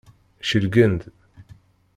Celgen-d.